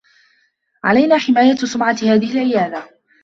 علينا حماية سمعة هذه العيادة.